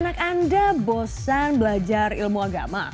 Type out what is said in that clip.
anak anda bosan belajar ilmu agama